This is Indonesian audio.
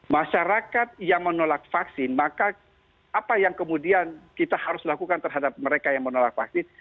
masyarakat yang menolak vaksin maka apa yang kemudian kita harus lakukan terhadap mereka yang menolak vaksin